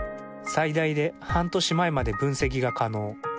最大で半年前まで分析が可能。